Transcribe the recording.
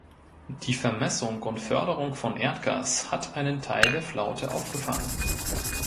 Die Vermessung und Förderung von Erdgas hat einen Teil der Flaute aufgefangen.